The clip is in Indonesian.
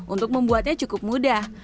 untuk membuatnya cukup mudah